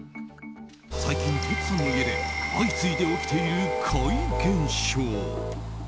最近、テツさんの家で相次いで起きている怪現象。